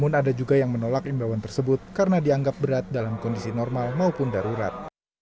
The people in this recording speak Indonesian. dan ada juga yang menolak imbauan tersebut karena dianggap berat dalam kondisi normal maupun darurat